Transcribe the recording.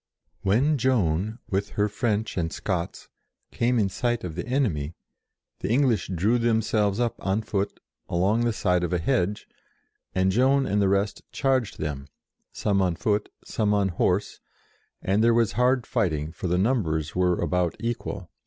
When Joan, with her French and Scots, came in sight of the enemy, the English drew themselves up on foot, along the side of a hedge, and Joan and the rest charged them, some on foot, some on horse, and there was hard fighting, for the numbers were about equal.